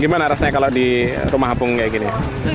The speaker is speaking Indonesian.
gimana rasanya kalau di rumah apung seperti ini